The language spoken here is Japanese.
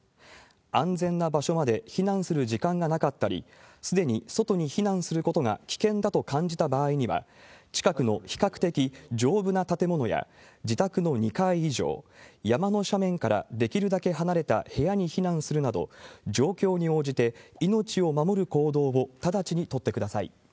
安全な場所まで避難する時間がなかったり、すでに外に避難することが危険だと感じた場合には、近くの比較的丈夫な建物や、自宅の２階以上、山の斜面からできるだけ離れた部屋に避難するなど、状況に応じて命を守る行動を直ちに取ってください。